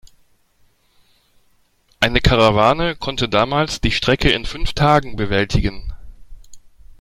Eine Karawane konnte damals die Strecke in fünf Tagen bewältigen.